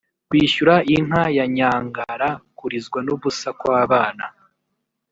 " kwishyura inka ya nyangara = kurizwa n'ubusa kw'abana